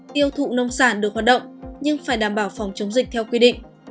tiêu thụ nông sản được hoạt động nhưng phải đảm bảo phòng chống dịch theo quy định